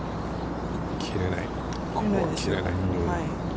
切れない。